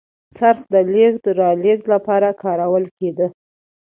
څرخ د لېږد رالېږد لپاره کارول کېده.